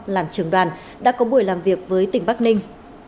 làm trưởng đoàn đã có buổi làm việc với tỉnh bắc ninh